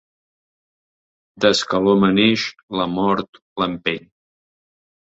Des que l'home neix, la mort l'empeny.